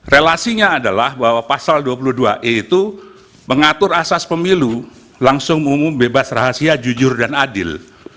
relasinya adalah bahwa pasal dua puluh dua e itu mengatur asas pemilu langsung umum bebas rahasia jujur dan adil